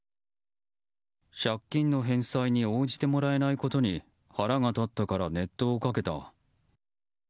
借金の返済に応じてもらえないことに腹が立ったから、熱湯をかけた。